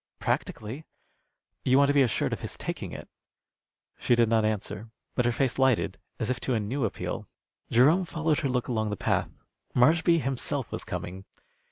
"Practically." "You want to be assured of his taking it." She did not answer; but her face lighted, as if to a new appeal. Jerome followed her look along the path. Marshby himself was coming.